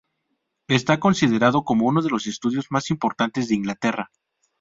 Está considerado como uno de los estudios más importantes de Inglaterra.